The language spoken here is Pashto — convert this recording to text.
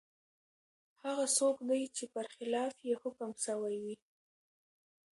هغه څوک دی چي پر خلاف یې حکم سوی وي ؟